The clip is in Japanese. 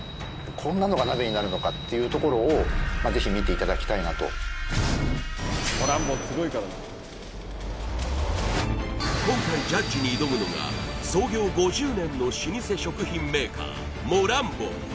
こんなのが鍋になるのかっていうところを今回ジャッジに挑むのが創業５０年の老舗食品メーカーモランボン